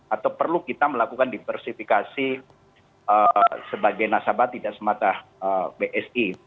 atau perlu kita melakukan diversifikasi sebagai nasabah tidak semata bsi